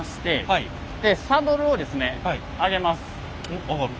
んっ上がる？